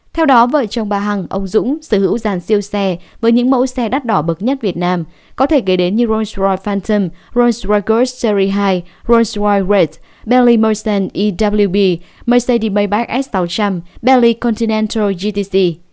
theo đó vợ chồng bà hằng ông dũng sở hữu dàn siêu xe với những mẫu xe đắt đỏ bậc nhất việt nam có thể kể đến như rolls royce phantom rolls royce ghost series hai rolls royce red belly mersenne ewb mercedes maybach s tám trăm linh belly continental gtc